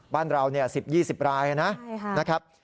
บ้านเรา๑๐๒๐รายนะครับ